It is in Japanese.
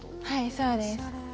はいそうです。